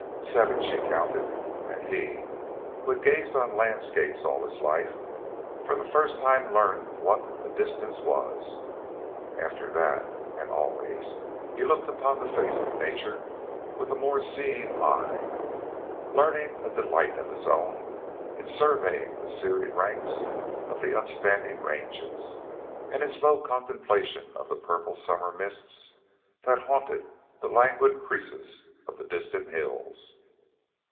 Seven, she counted, and he, who had gazed on landscapes all his life, for the first time learned what a "distance" was. After that, and always, he looked upon the face of nature with a more seeing eye, learning a delight of his own in surveying the serried ranks of the upstanding ranges, and in slow contemplation of the purple summer mists that haunted the languid creases of the distant hills.